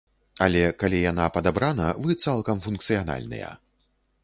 Але калі яна падабрана, вы цалкам функцыянальныя.